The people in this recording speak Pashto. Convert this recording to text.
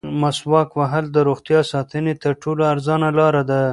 مسواک وهل د روغتیا ساتنې تر ټولو ارزانه لاره ده.